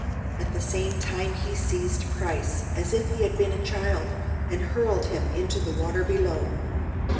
At the same time he seized Price, as if he had been a child, and hurled him into the water below.